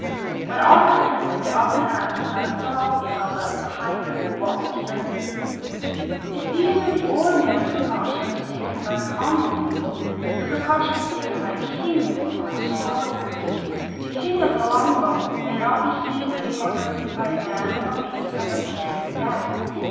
When offered a drink they often ask that a cloth may be held up to hide them whilst drinking. If these are the ordinary precautions taken by common people, the precautions taken by kings are extraordinary. The king of Loango may not be seen eating or drinking by man or beast under pain of death.